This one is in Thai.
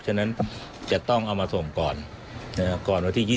ฉะนั้นจะต้องเอามาส่งก่อนก่อนวันที่๒๒